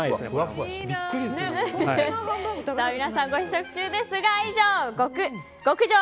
皆さん、ご試食中ですが以上、極上！